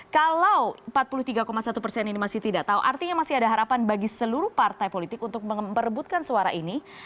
kalau empat puluh tiga satu persen ini masih tidak tahu artinya masih ada harapan bagi seluruh partai politik untuk merebutkan suara ini